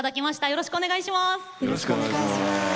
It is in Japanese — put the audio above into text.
よろしくお願いします。